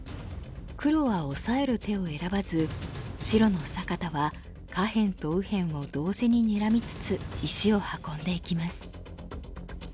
黒はオサえる手を選ばず白の坂田は下辺と右辺を同時ににらみつつ石を運んでいきます。